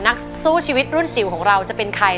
นักสู้ชีวิตรุ่นจิ๋วของเราจะเป็นใคร